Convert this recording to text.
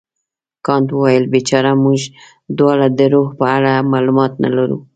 کانت وویل بیچاره موږ دواړه د روح په اړه معلومات نه لرو.